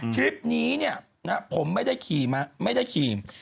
ทริปนี้เนี่ยผมไม่ได้ขี่